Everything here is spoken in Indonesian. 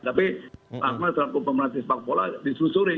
tapi pak ahmad selaku pemerintah pak pola diselusuri